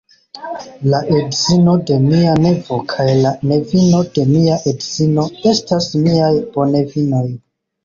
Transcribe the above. La edzino de mia nevo kaj la nevino de mia edzino estas miaj bonevinoj.